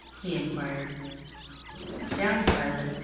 he inquired. "Down, Pilot!"